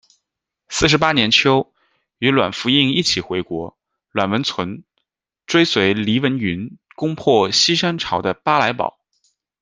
四十八年秋，与阮福映一起回国，阮文存追随黎文匀攻破西山朝的巴涞堡。